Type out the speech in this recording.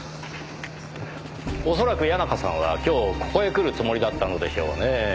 恐らく谷中さんは今日ここへ来るつもりだったのでしょうねぇ。